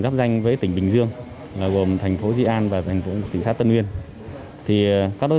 giáp danh với tỉnh bình dương là gồm thành phố di an và thành phố tỉnh sát tân uyên thì các đối